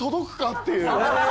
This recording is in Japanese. っていう。